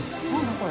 これ。